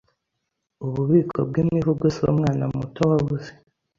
Ububiko bwImivugo si umwana muto wabuze